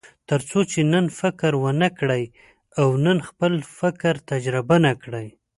تر څو چې نن فکر ونه کړئ او نن خپل فکر تجربه نه کړئ.